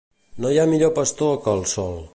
No hi ha millor pastor que el sol.